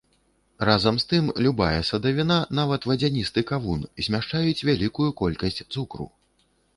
Разам з тым, любая садавіна, нават вадзяністы кавун, змяшчаюць вялікую колькасць цукру.